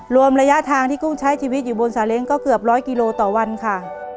รวมระยะทางที่กุ้งใช้ชีวิตอยู่บนสาเล้งก็เกือบร้อยกิโลต่อวันค่ะ